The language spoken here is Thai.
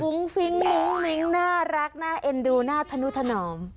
ฟิ้งมุ้งมิ้งน่ารักน่าเอ็นดูน่าธนุถนอม